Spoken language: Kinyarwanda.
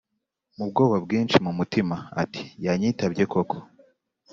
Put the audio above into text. mubwoba bwinshi mu mutima ati"yanyitabye koko"